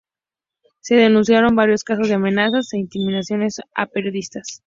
Se denunciaron varios casos de amenazas e intimidaciones a periodistas.